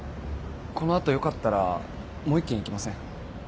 この後よかったらもう一軒行きません？